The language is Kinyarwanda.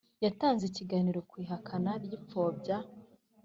Yatanze ikiganiro ku ihakana n ipfobya